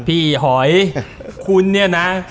พี่หอยคุณเนี้ยนะ